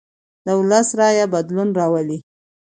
د ولس رایه بدلون راولي